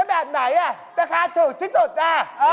เออแล้วแบบไหนน่ะนะคะถูกที่สุดน่ะ